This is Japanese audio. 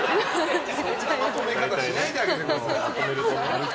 そんなまとめ方しないであげてください。